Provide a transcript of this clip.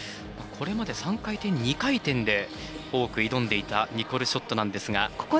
これまで３回転、２回転で多く挑んでいたニコル・ショットですが。